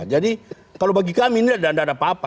jadi kalau bagi kami ini tidak ada apa apa